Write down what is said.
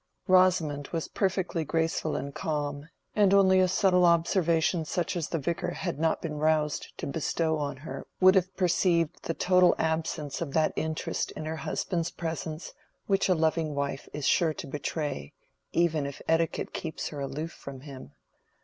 Rosamond was perfectly graceful and calm, and only a subtle observation such as the Vicar had not been roused to bestow on her would have perceived the total absence of that interest in her husband's presence which a loving wife is sure to betray, even if etiquette keeps her aloof from him.